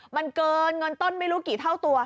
มันเกินเงินต้นไม่รู้กี่เท่าตัว